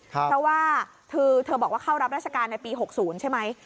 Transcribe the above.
เพราะว่าเธอบอกว่าเข้ารับราชการในปี๖๐ใช่ไหม